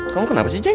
kamu kenapa ceng